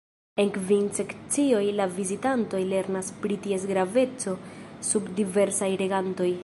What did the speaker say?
En kvin sekcioj la vizitantoj lernas pri ties graveco sub diversaj regantoj.